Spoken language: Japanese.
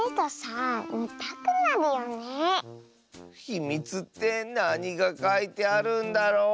ひみつってなにがかいてあるんだろう？